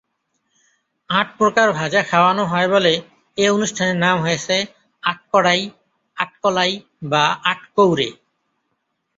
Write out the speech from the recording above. আট প্রকার ভাজা খাওয়ানো হয় বলে এ অনুষ্ঠানের নাম হয়েছে আটকড়াই, আটকলাই বা আটকৌড়ে।